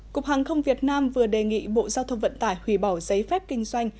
cục hàng không việt nam vừa đề nghị bộ giao thông vận tải hủy bỏ giấy phép kinh doanh